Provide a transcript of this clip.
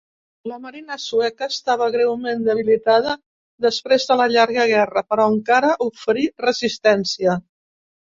La marina sueca estava greument debilitada després de la llarga guerra, però encara oferí resistència.